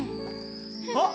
あっ！